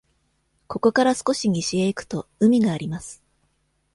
ここから少し西へ行くと、海があります。